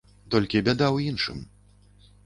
Толькі бяда ў іншым.